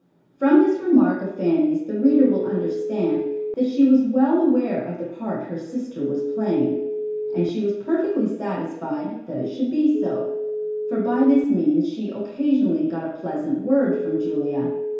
From this remark of Fanny's the reader will understand that she was well aware of the part her sister was playing. And she was perfectly satisfied that it should be so, for by this means she occasionally got a pleasant word from Julia.